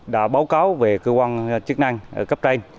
đã báo cáo về cơ quan chức năng cấp tranh